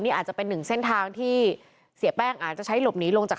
อาจจะเป็นหนึ่งเส้นทางที่เสียแป้งอาจจะใช้หลบหนีลงจาก